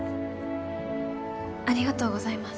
ありがとうございます。